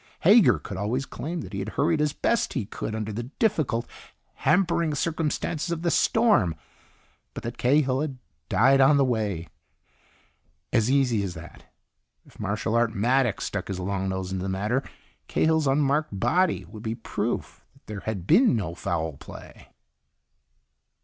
Hager could always claim that he had hurried as best he could under the difficult, hampering circumstances of the storm, but that Cahill had died on the way. As easy as that. If Marshal Art Maddox stuck his long nose into the matter, Cahill's unmarked body would be proof that there had been no foul play.